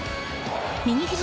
右ひじ